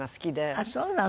ああそうなの？